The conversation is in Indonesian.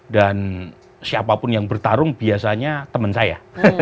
dan siapapun yang bertarung biasanya teman saya